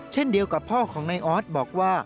เช่นเดียวกับพ่อของนายออสบอกว่า